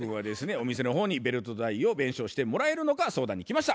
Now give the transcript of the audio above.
お店の方にベルト代を弁償してもらえるのか相談に来ました。